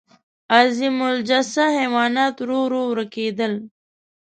عظیم الجثه حیوانات ورو ورو ورکېدل.